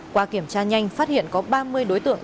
qua kiểm tra nhanh phát hiện có ba mươi đối tượng